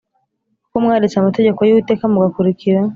kuko mwaretse amategeko y Uwiteka mugakurikira